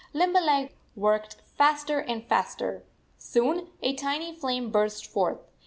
Limberleg worked faster and faster. Soon a tiny flame burst forth.